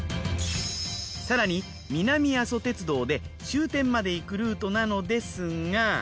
更に南阿蘇鉄道で終点まで行くルートなのですが。